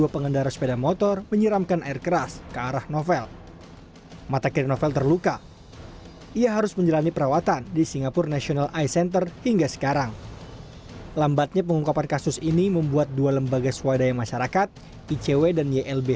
pembangunan pembangunan pembangunan